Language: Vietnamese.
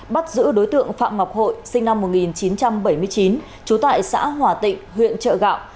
bắt giữ đối tượng phạm ngọc hội sinh năm một nghìn chín trăm bảy mươi chín trú tại xã hòa tịnh huyện trợ gạo